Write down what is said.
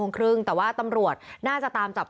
ตอนนี้ยังไม่ได้นะครับ